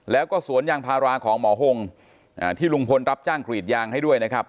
แล้วก็สวนยางพาราของหมอหงที่ลุงพลรับจ้างกรีดยางให้ด้วยนะครับ